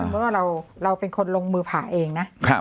เพราะว่าเราเป็นคนลงมือผ่าเองนะ